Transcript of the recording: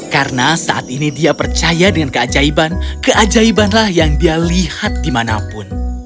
karena saat ini dia percaya dengan keajaiban keajaibanlah yang dia lihat dimanapun